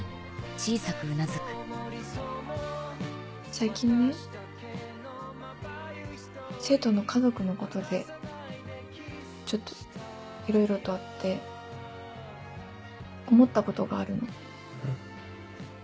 最近ね生徒の家族のことでちょっといろいろとあって思ったことがあるの。